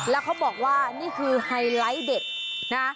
แล้วเขาบอกว่านี่คือไฮไลท์เด็ดนะ